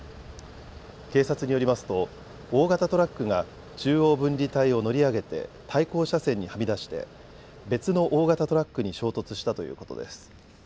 警察によりますと大型トラックが中央分離帯を乗り上げて対向車線にはみ出して別の大型トラックに衝突したということです。